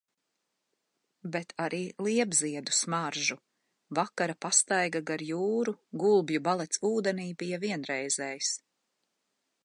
Bet arī liepziedu smaržu. Vakara pastaiga gar jūru, gulbju balets ūdenī bija vienreizējs.